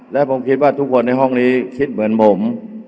และผมคิดว่าทุกคนในห้องนี้คิดเหมือนผม